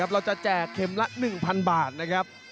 เราจะแจกเข็มละ๑๐๐๐บาทนะครับ